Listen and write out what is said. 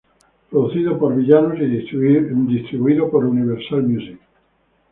Producido por Villanos y distribuido por Universal Music.